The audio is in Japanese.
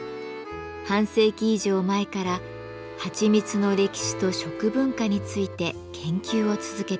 半世紀以上前からはちみつの歴史と食文化について研究を続けています。